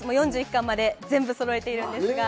４１巻まで全部そろえています。